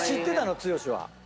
剛は。